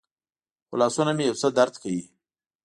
خو لاسونه مې یو څه درد کوي.